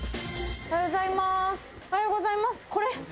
おはようございます。